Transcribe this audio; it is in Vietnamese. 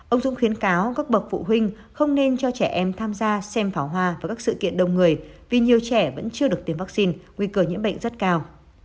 ông dũng khuyến cáo các bậc phụ huynh không nên cho trẻ em tham gia xem pháo hoa vào các sự kiện đông người vì nhiều trẻ vẫn chưa được tiêm vaccine nguy cơ nhiễm bệnh rất cao